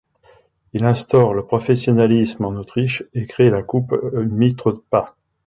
Il instaure le professionnalisme en Autriche et crée la Coupe Mitropa.